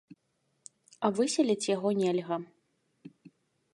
А выселіць яго нельга.